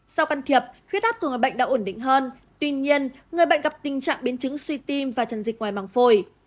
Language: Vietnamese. sau can thiệp huyết ác của người bệnh đã ổn định hơn tuy nhiên người bệnh gặp tình trạng biến chứng suy tim và trần dịch ngoài mạng phôi